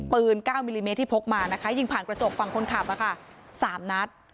๙มิลลิเมตรที่พกมานะคะยิงผ่านกระจกฝั่งคนขับ๓นัด